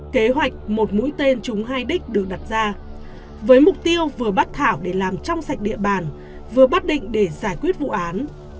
kế hoạch một mũi tên chúng hai đích được đặt ra với mục tiêu vừa bắt thảo để làm trong sạch địa bàn vừa bắt định để giải quyết vụ án